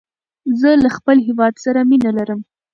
زه له خپل هيواد سره مینه لرم.